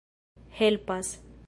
helpas